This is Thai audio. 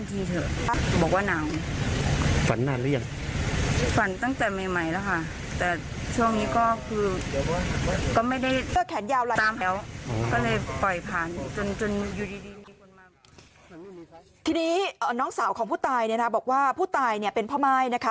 ทีนี้น้องสาวของผู้ตายเนี่ยนะบอกว่าผู้ตายเนี่ยเป็นพ่อม่ายนะคะ